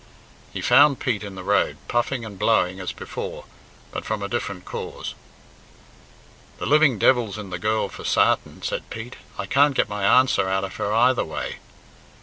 He found Pete in the road, puffing and blowing as before, but from a different cause. "The living devil's in the girl for sartin," said Pete; "I can't get my answer out of her either way."